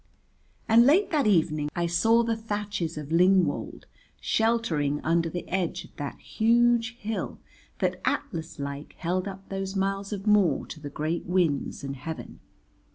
And late that evening I saw the thatches of Lingwold sheltering under the edge of that huge hill that Atlas like held up those miles of moor to the great winds and heaven.